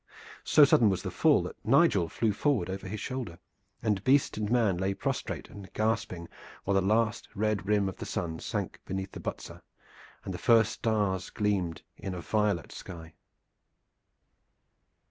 So sudden was the fall that Nigel flew forward over his shoulder, and beast and man lay prostrate and gasping while the last red rim of the sun sank behind Butser and the first stars gleamed in a violet sky.